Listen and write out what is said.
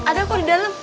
ada kok di dalam